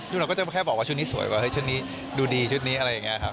เราก็จะแค่บอกว่าชุดนี้สวยว่าชุดนี้ดูดีชุดนี้อะไรอย่างนี้ครับ